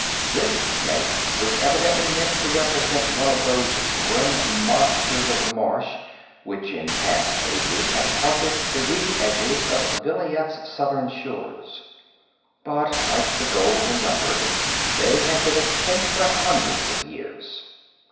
This snake was evidently meant to represent one of those grim monsters of the marsh which in past ages had haunted the reedy edges of Vilayet's southern shores. But, like the golden leopard, they had been extinct for hundreds of years.